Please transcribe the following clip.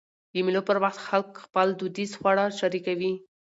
د مېلو پر وخت خلک خپل دودیز خواړه شریکوي.